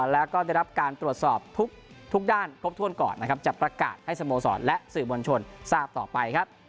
และได้รับการตรวจสอบทุกด้านพบทวนก่อนจะประกาศให้สมสอสและสื่อบัญชนทราบต่อไป